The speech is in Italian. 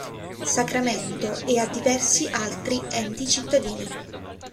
Sacramento e a diversi altri enti cittadini.